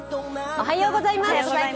おはようございます。